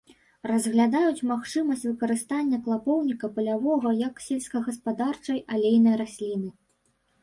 Разглядаюць магчымасць выкарыстання клапоўніка палявога як сельскагаспадарчай алейнай расліны.